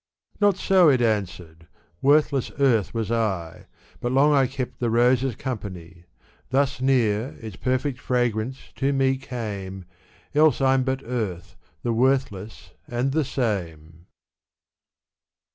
"" Not so," it answered^ " worthless earth was I, But long I kept the rose's company ; Thus near, its perfect fragrance to me came, Else I'm but earth, the worthless and the same."